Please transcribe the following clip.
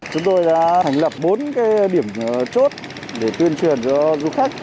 chúng tôi đã thành lập bốn điểm chốt để tuyên truyền cho du khách